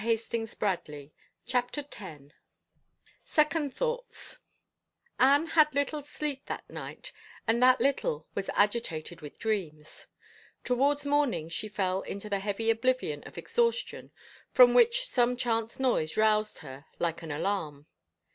Anne of England I CHAPTER X SECOND THOUGHTS NNE had little sleep that night and that little was agitated with dreams. Towards morning she fell into the heavy oblivion of exhaustion from which some chance noise roused her like an alarm.